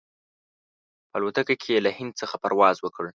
په الوتکه کې یې له هند څخه پرواز وکړ.